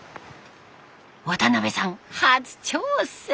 渡辺さん初挑戦！